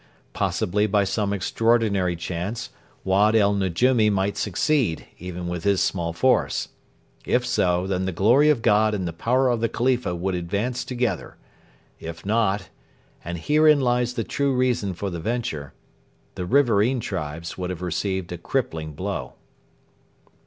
Possibly by some extraordinary chance Wad el Nejumi might succeed, even with his small force. If so, then the glory of God and the power of the Khalifa would advance together. If not and herein lies the true reason for the venture the riverain tribes would have received a crippling blow.